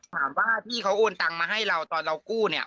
ถามว่าพี่เขาโอนตังมาให้เราตอนเรากู้เนี่ย